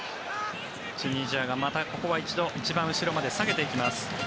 チュニジアがまたここは一度一番後ろまで下げていきます。